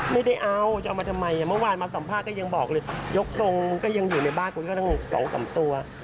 มีความสนิท